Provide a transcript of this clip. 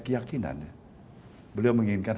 keyakinannya beliau menginginkan